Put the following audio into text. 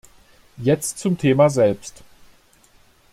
Jetzt zum Thema selbst.